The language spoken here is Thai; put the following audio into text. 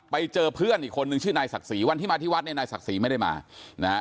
ไปเจอเพื่อนอีกคนนึงชื่อนายศักดิ์ศรีวันที่มาที่วัดเนี่ยนายศักดิ์ศรีไม่ได้มานะฮะ